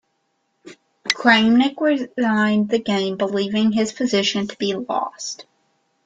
Kramnik resigned the game, believing his position to be lost.